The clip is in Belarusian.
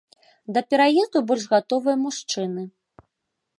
Да пераезду больш гатовыя мужчыны.